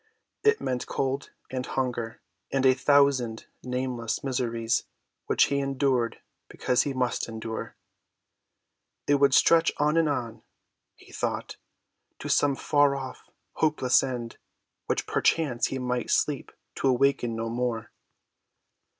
It meant cold and hunger and a thousand nameless miseries which he endured because he must endure. It would stretch on and on, he thought, to some far‐off, hopeless end, when perchance he might sleep to awaken no more.